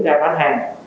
đứng ra bán hàng